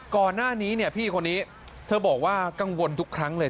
ก่อนหน้านี้เนี่ยพี่คนนี้เธอบอกว่ากังวลทุกครั้งเลย